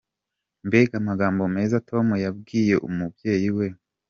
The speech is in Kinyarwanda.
Mbega amagambo meza Tom yabwiye umubyeyi we.